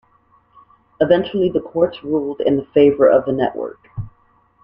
Eventually the courts ruled in favor of the network.